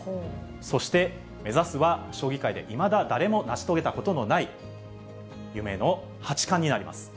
そして、目指すは将棋界でいまだ誰も成し遂げたことのない、夢の八冠になります。